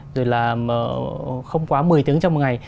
rồi là không quá một mươi tiếng trong một ngày